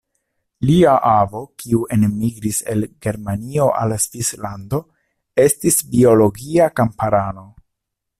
Lia avo, kiu enmigris el Germanio al Svislando estis biologia kamparano.